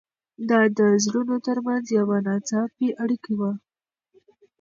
دا د زړونو تر منځ یوه ناڅاپي اړیکه وه.